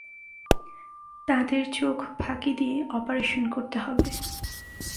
তাদের চোখ ফাঁকি দিয়ে অপারেশন করতে হবে।